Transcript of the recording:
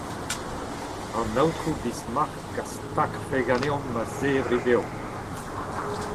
An aotrou Bismarck a stagfe ganeomp a-zevri-bev.